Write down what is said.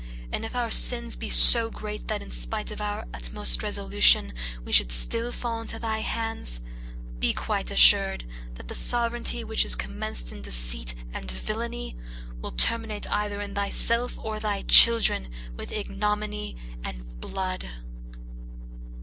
And if our sins be so great that in spite of our utmost resolution, we should still fall into thy hands, be quite assured, that the sovereignty which is commenced in deceit and villainy, will terminate either in thyself or thy children with ignominy and blood."